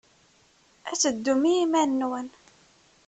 Ad teddum i yiman-nwen.